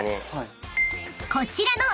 ［こちらの］